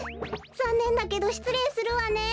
ざんねんだけどしつれいするわね。